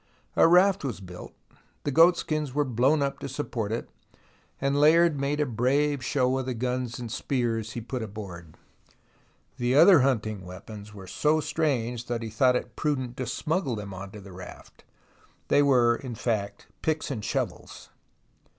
A raft was built, the goatskins were blown up to support it, and Layard made a brave show of the guns and spears he put aboard. The other hunting weapons were so strange that he thought it prudent to smuggle them on to the raft. They were, in fact, picks and shovels